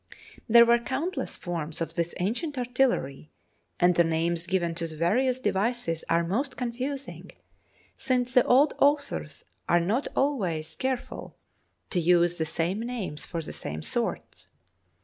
There were countless forms of this ancient artillery, and the names given to the various devices are most confusing, since the old authors were not always careful to use the same names for the same sorts.